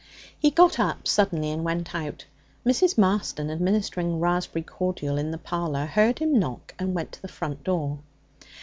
He got up suddenly and went out. Mrs. Marston, administering raspberry cordial in the parlour, heard him knock, and went to the front door.